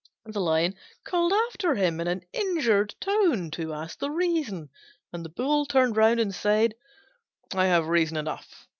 The Lion called after him in an injured tone to ask the reason, and the Bull turned round and said, "I have reason enough.